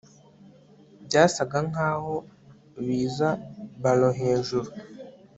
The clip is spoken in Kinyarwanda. Byasaga nkaho biza ballon hejuru